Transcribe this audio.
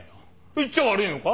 言っちゃ悪いのか？